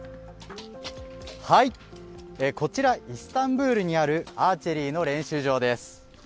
イスタンブールにあるアーチェリーの練習場です。